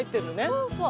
そうそう。